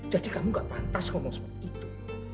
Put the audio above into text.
jadi kamu nggak pantas ngomong seperti itu